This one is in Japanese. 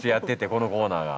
このコーナーが。